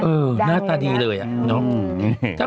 เออหน้าตาดีเลยอ่ะ